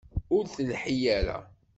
Ur telḥi ara.